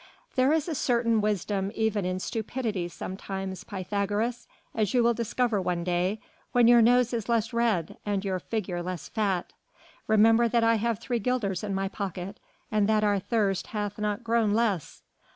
"There is a certain wisdom even in stupidity sometimes, Pythagoras, as you will discover one day, when your nose is less red and your figure less fat. Remember that I have three guilders in my pocket, and that our thirst hath not grown less.